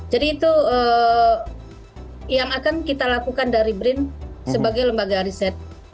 jadi itu yang akan kita lakukan dari blinn sebagai lembaga riset